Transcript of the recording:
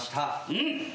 うん！